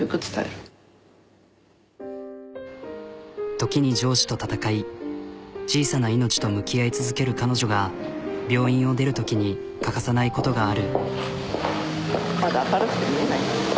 時に上司と戦い小さな命と向き合い続ける彼女が病院を出るときに欠かさないことがある。